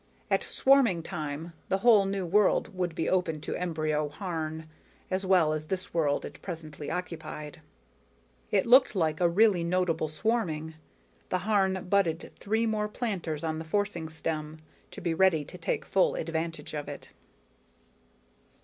At swarming time, the whole new world would be open to embryo Harn, as well as this world it presently occupied._ _It looked like a really notable swarming. The Harn budded three more planters on the forcing stem, to be ready to take full advantage of it.